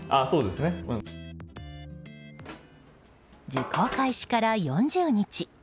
受講開始から４０日。